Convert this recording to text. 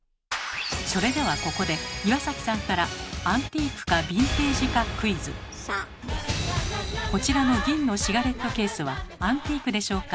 それではここで岩崎さんからこちらの銀のシガレットケースはアンティークでしょうか？